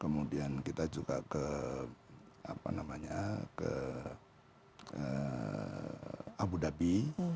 kemudian kita juga ke abu dhabi